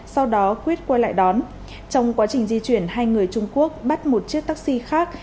sau đó quyết quay lại đón trong quá trình di chuyển hai người trung quốc bắt một chiếc taxi khác